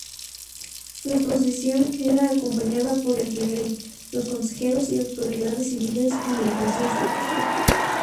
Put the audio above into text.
La procesión era acompañada por el virrey, los consejeros y autoridades civiles y eclesiásticas.